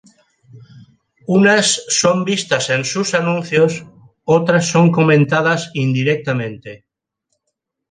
Unas son vistas en sus anuncios, otras son comentadas indirectamente.